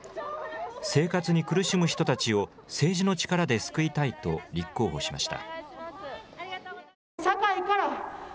生活に苦しむ人たちを政治の力で救いたいと立候補しました。